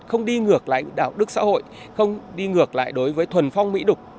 không đi ngược lại đạo đức xã hội không đi ngược lại đối với thuần phong mỹ đục